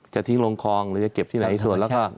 จะทิ้งลงคลองหรือจะเก็บที่ไหนส่วนแล้วก็